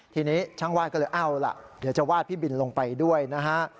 ทีนี้ช่างวาดก็เลยเอาล่ะเดี๋ยวจะวาดพี่บินลงไปด้วยนะฮะ